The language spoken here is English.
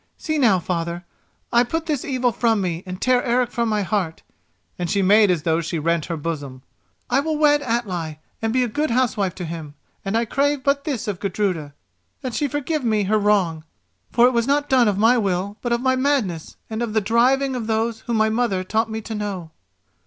See now, father, I put this evil from me and tear Eric from my heart," and she made as though she rent her bosom—"I will wed Atli, and be a good housewife to him, and I crave but this of Gudruda: that she forgive me her wrong; for it was not done of my will, but of my madness, and of the driving of those whom my mother taught me to know."